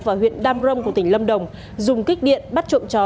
và huyện đam rông của tỉnh lâm đồng dùng kích điện bắt trộm chó